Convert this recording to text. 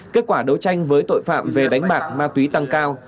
kết quả đấu tranh với tội phạm về đánh bạc ma túy tăng cao